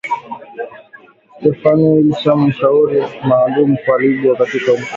Stephanie Williams mshauri maalum kwa Libya wa katibu mkuu wa Umoja wa Mataifa Antonio Guterres